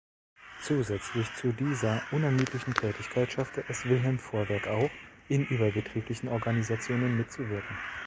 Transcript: Zusätzlich zu dieser unermüdlichen Tätigkeit schaffte es Wilhelm Vorwerk auch, in überbetrieblichen Organisationen mitzuwirken.